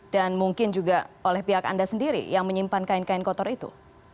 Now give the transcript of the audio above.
dan mungkin juga oleh pihak anda sendiri yang menyimpan kain kain kotor itu